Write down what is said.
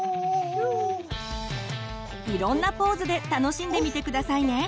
いろんなポーズで楽しんでみて下さいね。